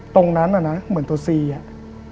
ตรงนั้นน่ะนะเหมือนตัวซีอ่ะ